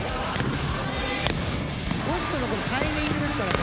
トスとのタイミングですからね。